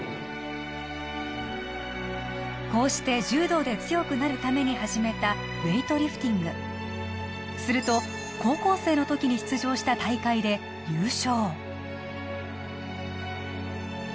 こうして柔道で強くなるために始めたウエイトリフティングすると高校生の時に出場した大会で優勝